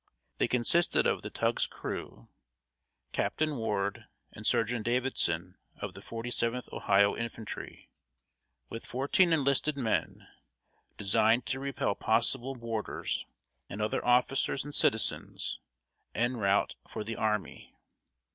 They consisted of the tug's crew, Captain Ward and Surgeon Davidson of the Forty Seventh Ohio Infantry, with fourteen enlisted men, designed to repel possible boarders, and other officers and citizens, en route for the army.